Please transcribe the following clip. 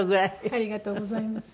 ありがとうございます。